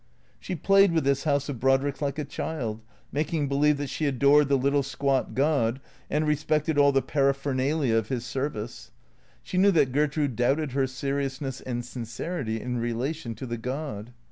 She played with this house of Brodrick's like a child, making believe that she adored the little squat god and respected all the paraphernalia of his service. She knew that Gertrude doubted her seriousness and sincerity in relation to the god.